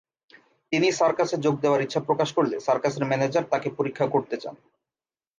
তিনি সার্কাসে যোগ দেওয়ার ইচ্ছা প্রকাশ করলে সার্কাসের ম্যানেজার তাকে পরীক্ষা করতে চান।